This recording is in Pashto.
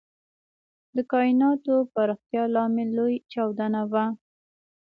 د کائناتو پراختیا لامل لوی چاودنه وه.